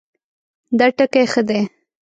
دا ټکی ښه دی